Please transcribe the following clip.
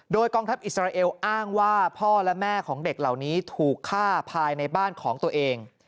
โดยกองทัพอิสราเอลอ้างว่าพ่อและแม่ของเด็กเหล่านี้ถูกฆ่าภายในบ้านของตัวเอง